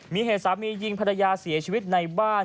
มีเหตุสามียิงภรรยาเสียชีวิตในบ้าน